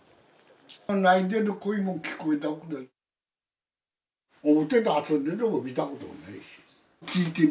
泣いてる声も聞こえたことない。